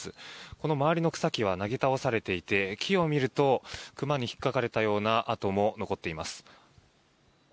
この周りの草木はなぎ倒されていて木を見ると熊に引っかかれたような跡も残っています。